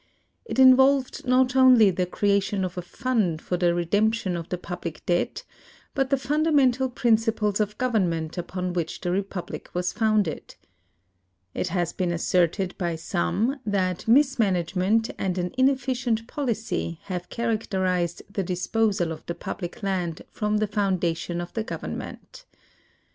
It involved not only the creation of a fund for the redemption of the public debt, but the fundamental principles of government upon which the republic was founded. It has been asserted by some that mismanagement and an ineflicient policy have characterized the disposal of the public land from the foundation of the gOA'ern ment.